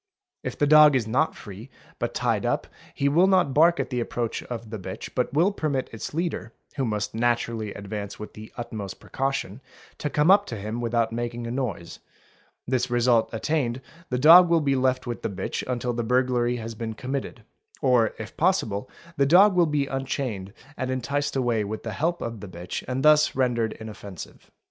If the dog is not free but tied up he will not bark at the approach of the bitch but will permit its leader, who must naturally advance with the utmost precaution, to come up to him without making a noise; this result attained the dog will be left with the bitch until the burglary has been committed, or if possible the dog will be unchained and enticed away with the help of the bitch and thus rendered inoffensive.